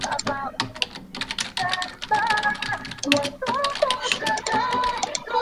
元世祖至元元年改为中都路大兴府。